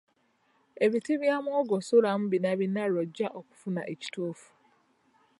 Ebiti bya muwogo suulamu bina bina lw'ojja okufuna ekituufu.